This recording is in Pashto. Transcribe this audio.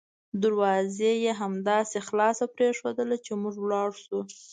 دروازه یې همداسې خلاصه پریښودله چې موږ ولاړ شوو.